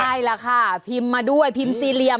ใช่ล่ะค่ะพิมพ์มาด้วยพิมพ์สี่เหลี่ยม